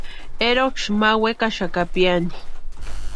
Eroksï ma wekaxaka piani.